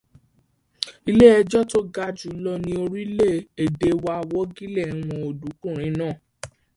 Ilé ẹjọ́ tó ga jùlọ ní orílẹ̀-èdè wa wọ́gilé ẹ̀wọ̀n ọ̀dọ́kùnrin náà.